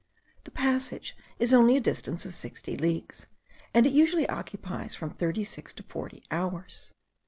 The passage is only a distance of sixty leagues, and it usually occupies from thirty six to forty hours.